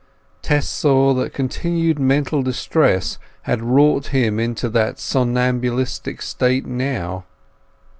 Tess saw that continued mental distress had wrought him into that somnambulistic state now.